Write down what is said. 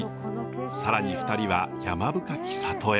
更に２人は山深き里へ。